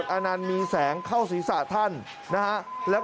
ตอนนี้ก็ยิ่งแล้ว